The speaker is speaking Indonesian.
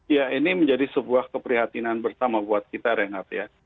ya ini menjadi sebuah keprihatinan bersama buat kita renat ya